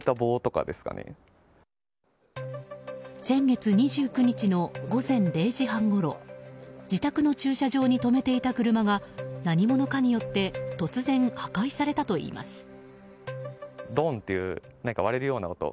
先月２９日の午前０時半ごろ自宅の駐車場に止めていた車が何者かによって突然、破壊されたといいます。